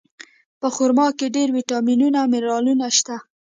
په خرما کې ډېر ویټامینونه او منرالونه شته.